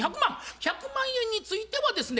１００万円についてはですね